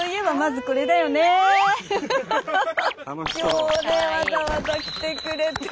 今日ねわざわざ来てくれて。